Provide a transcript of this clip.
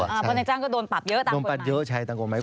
เพราะนายจ้างก็โดนปรับเยอะต่างกว่ามาก